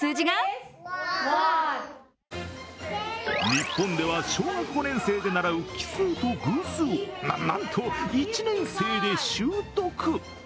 日本では小学５年生で習う奇数と偶数な、なんと１年生で習得。